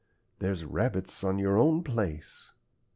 There's rabbits on your own place."